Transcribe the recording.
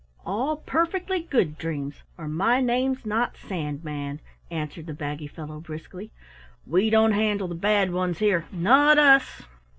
"All perfectly Good Dreams, or my name's not Sandman," answered the baggy fellow briskly. "We don't handle the Bad Ones here, not us!"